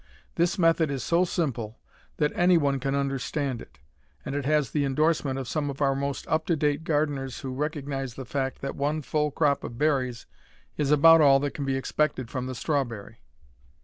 This method is so simple that any one can understand it, and it has the indorsement of some of our most up to date gardeners who recognize the fact that one full crop of berries is about all that can be expected from the strawberry.